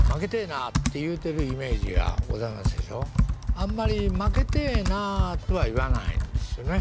あんまり「まけてえな」とは言わないんですよね。